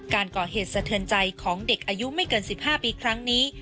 การก่อเหตุสะเทือนใจของเด็กอายุไม่เกิน๑๕ปีครั้งนี้